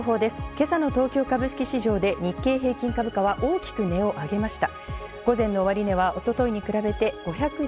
今朝の東京株式市場で日経平均株価が大きく値を上げました。